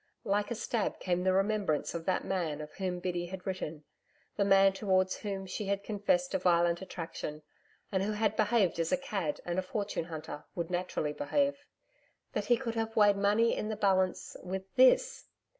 Like a stab came the remembrance of that man of whom Biddy had written the man towards whom she had confessed a violent attraction and who had behaved as a cad and a fortune hunter would naturally behave. That he could have weighed money in the balance with THIS!